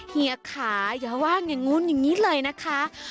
เฮียขาอย่าว่างอย่างนู้นอย่างนี้เลยนะคะ